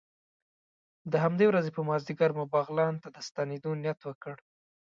د همدې ورځې په مازدیګر مو بغلان ته د ستنېدو نیت وکړ.